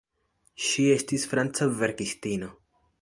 Ŝi estis franca verkistino.